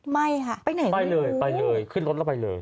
ไม่ค่ะไปไหนไปเลยไปเลยขึ้นรถแล้วไปเลย